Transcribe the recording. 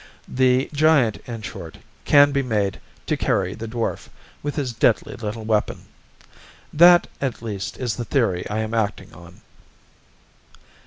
The giant, in short, can be made, to carry the dwarf, with his deadly little weapon. That, at least, is the theory I am acting on."